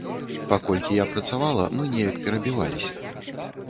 Паколькі я працавала, мы неяк перабіваліся.